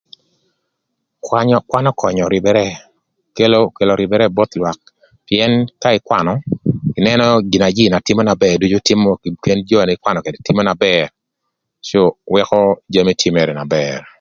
Kwanyö kwan ökönyö rïbërë kelo okelo rïbërë both lwak pïën ka ï kwanö ïnënö gin na jïï na tïmö na bër ducu tïmö pïën jö na ïn ïkwanö ködgï tïmö na bër cë wëkö jami na ïn ïtïmö tye na bër.